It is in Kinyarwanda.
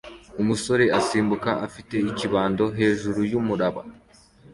Umusore asimbuka afite ikibaho hejuru yumuraba